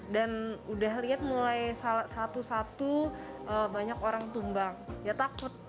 dan udah lihat mulai satu satu banyak orang tumbang ya takut